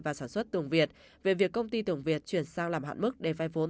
và sản xuất tường việt về việc công ty tường việt chuyển sang làm hạn mức để phai vốn